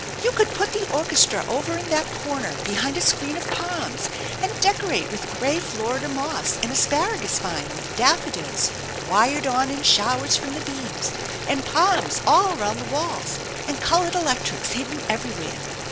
" You could put the orchestra over in that corner behind a screen of palms, and decorate with gray Florida moss and asparagus vine with daffodils wired on in showers from the beams, and palms all around the walla, and colored electrics hidden everywhere.